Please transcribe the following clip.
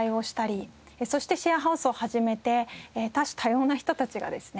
そしてシェアハウスを始めて多種多様な人たちがですね